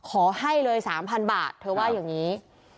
ขอให้เลย๓๐๐บาทเธอว่าอย่างนี้